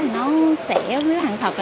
nó sẽ nếu hàng thật